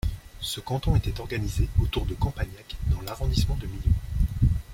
Ce canton était organisé autour de Campagnac dans l'arrondissement de Millau.